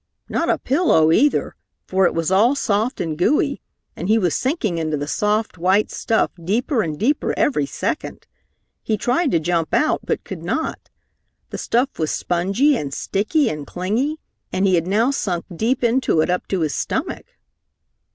Not a pillow either, for it was all soft and gooey, and he was sinking into the soft, white stuff deeper and deeper every second! He tried to jump out, but could not. The stuff was spongy and sticky and clingy, and he had now sunk deep into it up to his stomach.